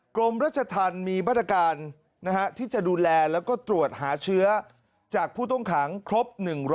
กรมรัชธรรมมีมาตรการที่จะดูแลแล้วก็ตรวจหาเชื้อจากผู้ต้องขังครบ๑๐๐